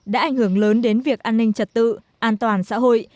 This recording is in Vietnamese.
đã ảnh hưởng lớn đến việc an ninh trật tự an toàn xã hội